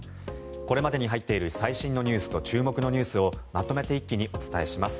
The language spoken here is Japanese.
これまでに入っている最新ニュースと注目ニュースをまとめて一気にお伝えします。